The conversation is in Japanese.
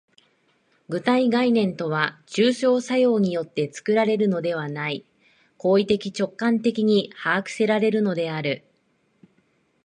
具体概念とは抽象作用によって作られるのではない、行為的直観的に把握せられるのである。